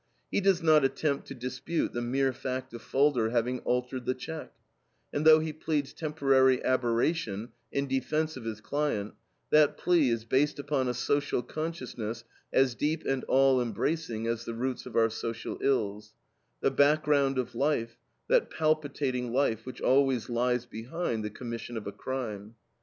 He does not attempt to dispute the mere fact of Falder having altered the check; and though he pleads temporary aberration in defense of his client, that plea is based upon a social consciousness as deep and all embracing as the roots of our social ills "the background of life, that palpitating life which always lies behind the commission of a crime."